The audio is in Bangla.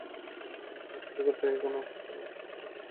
সমস্ত জগতে কখনও এক প্রকার অনুষ্ঠান পদ্ধতি প্রচলিত হইতে পারে না।